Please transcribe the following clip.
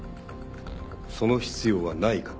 その必要はないかと。